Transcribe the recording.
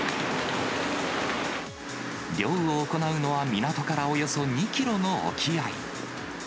漁を行うのは港からおよそ２キロの沖合。